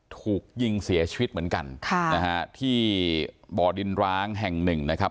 ถูกยิงเสียชีวิตเหมือนกันค่ะนะฮะที่บ่อดินร้างแห่งหนึ่งนะครับ